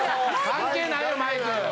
関係ないよ